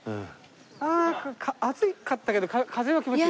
ああ暑かったけど風は気持ちいい。